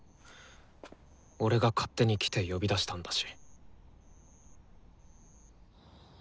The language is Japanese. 俺が勝手に来て呼び出したんだし。